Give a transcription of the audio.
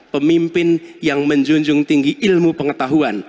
pemimpin yang menjunjung tinggi ilmu pengetahuan